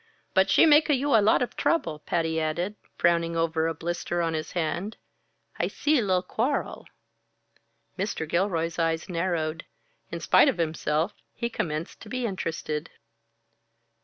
"But she make a you lot of trouble," Patty added, frowning over a blister on his hand. "I see li'l' quarrel." Mr. Gilroy's eyes narrowed. In spite of himself, he commenced to be interested.